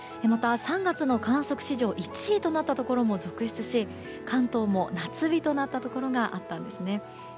また、３月の観測史上１位となったところも続出し関東も夏日となったところがあったんですね。